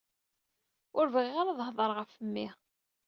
Ur bɣiɣ ara ad heḍṛeɣ ɣef mmi.